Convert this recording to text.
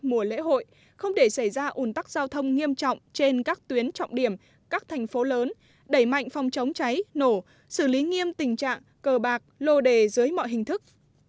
mùa lễ hội không để xảy ra ủn tắc giao thông nghiêm trọng trên các tuyến trọng điểm các thành phố lớn đẩy mạnh phòng chống cháy nổ xử lý nghiêm tình trạng cờ bạc lô đề dưới mọi hình thức